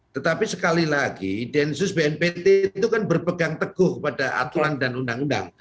tetapi sekali lagi densus bnpt itu kan berpegang teguh pada aturan dan undang undang